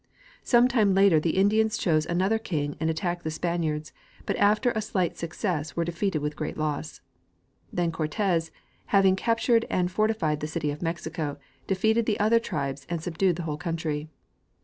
Some time later the In dians chose another king and attacked the Spaniards, but after a slight success were defeated with great loss. Then Cortez, hav * ing captured and fortified the city of Mexico, defeated the other tribes and subdued the whole country.